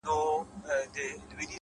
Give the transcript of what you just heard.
دوه زړونه د يوې ستنې له تاره راوتلي;